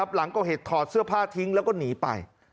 หลังก่อเหตุถอดเสื้อผ้าทิ้งแล้วก็หนีไป